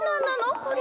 これ。